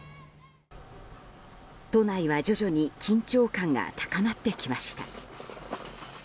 都内は徐々に緊張感が高まってきました。